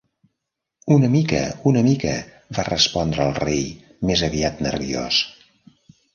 "Una mica, una mica", va respondre el Rei, més aviat nerviós.